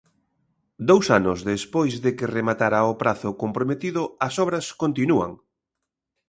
Dous anos despois de que rematara o prazo comprometido, as obras continúan.